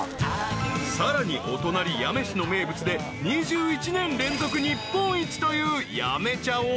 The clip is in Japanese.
［さらにお隣八女市の名物で２１年連続日本一という八女茶を］